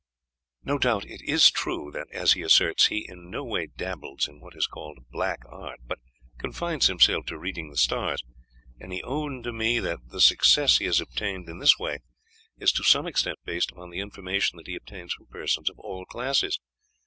"No doubt it is true that, as he asserts, he in no way dabbles in what is called 'black art,' but confines himself to reading the stars; and he owned to me that the success he has obtained in this way is to some extent based upon the information that he obtains from persons of all classes.